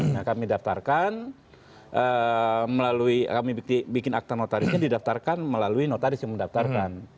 nah kami daftarkan melalui kami bikin akta notarisnya didaftarkan melalui notaris yang mendaftarkan